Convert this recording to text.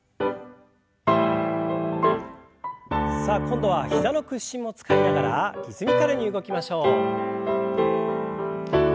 さあ今度は膝の屈伸も使いながらリズミカルに動きましょう。